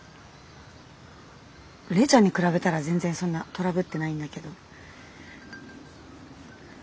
玲ちゃんに比べたら全然そんなトラブってないんだけど。